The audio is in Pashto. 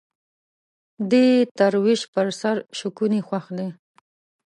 دى يې تر ويش په سر شکوني خوښ دى.